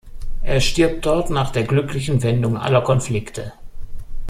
Er stirbt dort nach der glücklichen Wendung aller Konflikte.